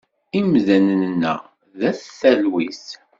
Imdanen-a d at talwit.